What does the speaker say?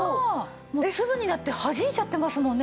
もう粒になってはじいちゃってますもんね